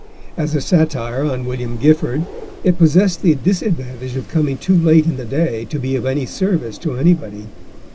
As a satire on William Gifford it possessed the disadvantage of coming too late in the day to be of any service to anybody.